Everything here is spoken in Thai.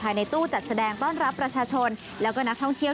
ในตู้จัดแสดงต้อนรับประชาชนแล้วก็นักท่องเที่ยว